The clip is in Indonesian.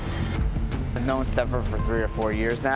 saya kenal steffer selama tiga atau empat tahun sekarang